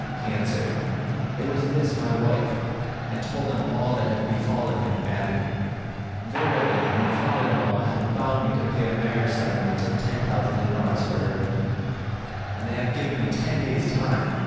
He answered, "It was this my wife," and told them all that had befallen him, adding, "Verily my father in law hath bound me to pay a marriage settlement of ten thousand dinars for her, and they have given me ten days' time."